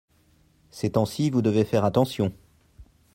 ces temps-ci vous devez faire attention.